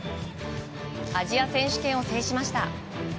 アジア選手権を制しました。